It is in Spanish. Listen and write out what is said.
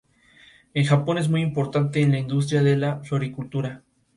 En Japón es muy importante en la industria de la floricultura.